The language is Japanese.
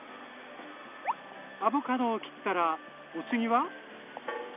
アボカドを切ったらお次は？